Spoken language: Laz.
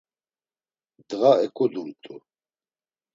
Ndğa eǩudumt̆u.